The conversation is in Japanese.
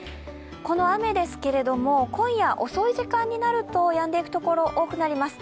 この雨ですけれども、今夜遅い時間になるとやんでいくところ、多くなります。